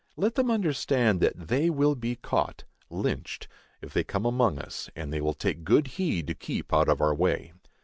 Let them understand that they will be caught [Lynched] if they come among us, and they will take good heed to keep out of our way.